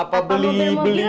apa mau beli mobilan